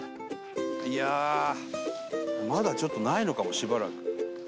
いやあまだちょっとないのかもしばらく。